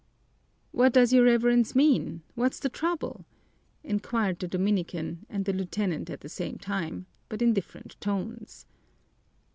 "What does your Reverence mean? What's the trouble?" inquired the Dominican and the lieutenant at the same time, but in different tones.